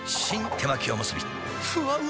手巻おむすびふわうま